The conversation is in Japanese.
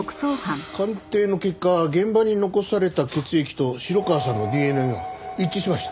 鑑定の結果現場に残された血液と城川さんのＤＮＡが一致しました。